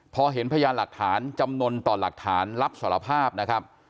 พอเห็นพยานหลักฐานจำนวนต่อหลักฐานรับสารภาพนะครับ